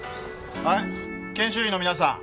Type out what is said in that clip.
はい研修医の皆さん